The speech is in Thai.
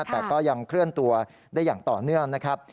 แต่ก็ยังเคลื่อนตัวได้อย่างต่อเนื่องนะครับ